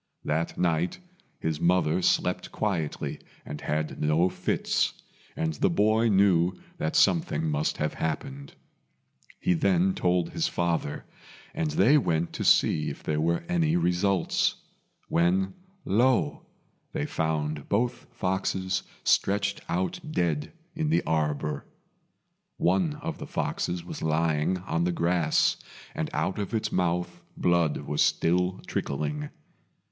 That night his mother slept quietly and had no fits, and the boy knew that something must have happened. He then told his father, and they went to see if there were any results; when lo! they found both foxes stretched out dead in the arbour. One of the foxes was lying on the grass, and out of its mouth blood was still trickling.